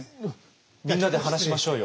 みんなで話しましょうよ。